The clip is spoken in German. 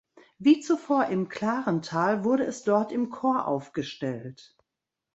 Wie zuvor in Klarenthal wurde es dort im Chor aufgestellt.